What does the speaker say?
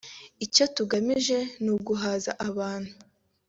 Icyo tugamije ni uguhuza abantu